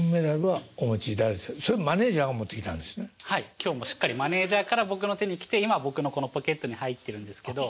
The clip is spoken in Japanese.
今日もしっかりマネージャーから僕の手に来て今僕のこのポケットに入ってるんですけど。